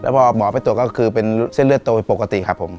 พอหมอไปโตเป็นเส้นเลือดโตปกติครับผม